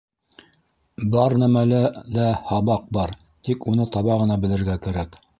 — Бар нәмәлә лә һабаҡ бар, тик уны таба ғына белергә кәрәк!